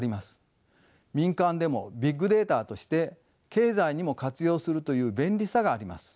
民間でもビッグデータとして経済にも活用するという便利さがあります。